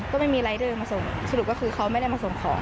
ก็ไม่มีมาส่งสรุปก็คือเขาไม่ได้มาส่งของ